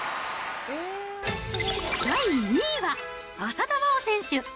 第２位は、浅田真央選手。